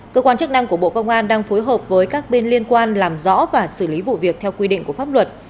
cơ quan chức năng của bộ công an đang phối hợp với các bên liên quan làm rõ và xử lý vụ việc theo quy định của pháp luật